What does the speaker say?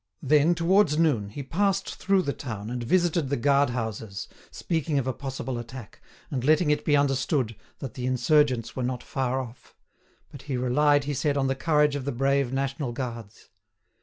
Then, towards noon, he passed through the town and visited the guard houses, speaking of a possible attack, and letting it be understood, that the insurgents were not far off; but he relied, he said, on the courage of the brave national guards.